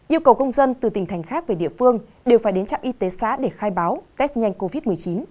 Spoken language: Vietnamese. yêu cầu công dân từ tỉnh thành khác về địa phương đều phải đến trạm y tế xã để khai báo test nhanh covid một mươi chín